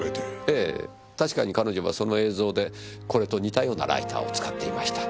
ええ確かに彼女はその映像でこれと似たようなライターを使っていました。